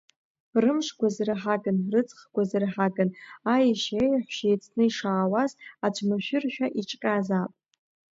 Рымш гәазырҳаган, рыҵх гәазырҳаган ешьеи еҳәшьеи еицны ишаауаз аӡә машәыршәа иҿҟьазаап…